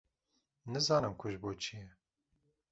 nizanin ku ji bo çî ye?